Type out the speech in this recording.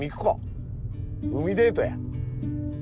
海デートや。